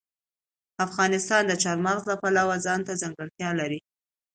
افغانستان د چار مغز د پلوه ځانته ځانګړتیا لري.